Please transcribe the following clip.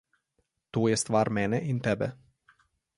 To je stvar mene in tebe.